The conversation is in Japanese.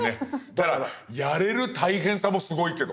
だからやれる大変さもすごいけど。